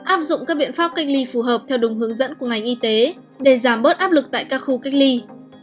áp dụng các biện pháp cách ly phù hợp theo đúng hướng dẫn của ngành y tế để giảm bớt áp lực tại các khu cách ly